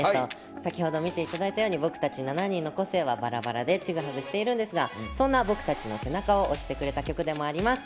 先ほど見ていただいたように僕たち７人の個性はチグハグしているんですがそんな僕たちの背中を押してくれた曲でもあります。